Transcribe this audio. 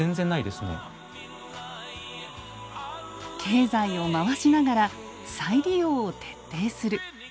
経済を回しながら再利用を徹底する。